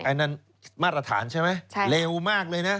อันนั้นมาตรฐานใช่ไหมเร็วมากเลยนะ